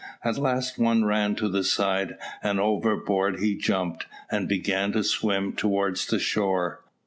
At last one ran to the side, and overboard he jumped, and began to swim towards the shore.